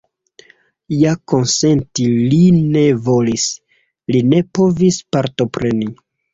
Ja konsenti li ne volis, li ne povis partopreni.